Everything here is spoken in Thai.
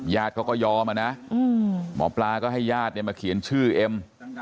ยาดเขาก็ยอมอ่ะนะหมอปลาก็ให้ยาดมาเขียนชื่อเอ็ม